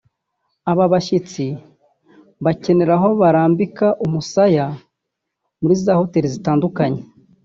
aba bashyitsi bakenera aho barambika umusaya muri za hoteli zitandukanye